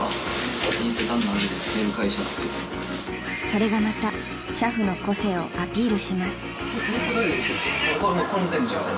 ［それがまた俥夫の個性をアピールします］